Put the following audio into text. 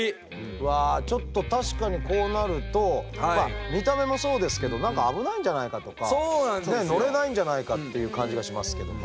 うわちょっと確かにこうなると見た目もそうですけど何か危ないんじゃないかとか乗れないんじゃないかっていう感じがしますけども。